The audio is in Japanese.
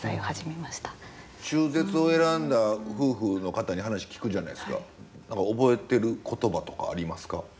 中絶を選んだ夫婦の方に話聞くじゃないですか何か覚えてる言葉とかありますか？